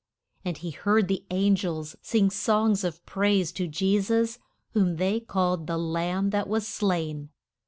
And he heard the an gels sing songs of praise to Je sus, whom they called the Lamb that was slain.